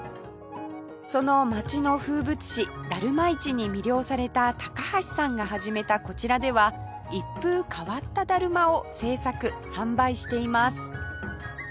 その街の風物詩だるま市に魅了された高橋さんが始めたこちらでは一風変わっただるまを制作販売しています